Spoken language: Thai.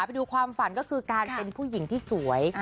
ไปดูความฝันก็คือการเป็นผู้หญิงที่สวย